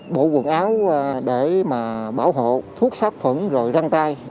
bộ quần áo để mà bảo hộ thuốc sát phẩm rồi răng tay